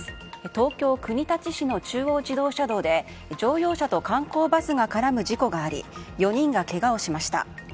東京・国立市の中央自動車道で観光バスと乗用車が絡む事故があり４人がけがをしました。